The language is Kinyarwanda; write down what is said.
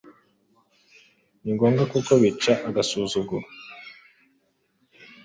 Ni ngombwa kuko bica agasuzuguro.